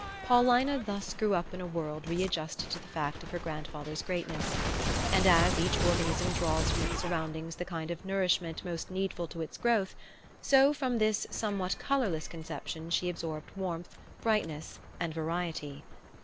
Paulina thus grew up in a world readjusted to the fact of her grandfather's greatness; and as each organism draws from its surroundings the kind of nourishment most needful to its growth, so from this somewhat colorless conception she absorbed warmth, brightness and variety.